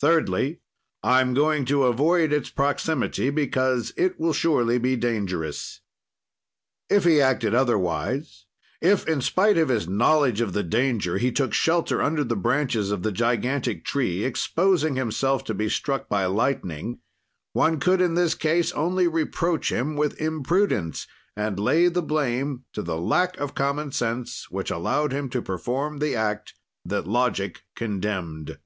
"Thirdly: I'm going to avoid its proximity because it will surely be dangerous. "If he acted otherwise; if, in spite of his knowledge of the danger, he took shelter under the branches of the gigantic tree, exposing himself to be struck by lightning, one could, in this case, only reproach him with imprudence and lay the blame to the lack of common sense which allowed him to perform the act that logic condemned."